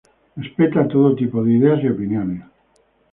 Respeta todo tipo de ideas y opiniones.